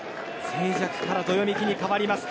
静寂からどよめきに変わります